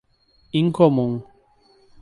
Incomum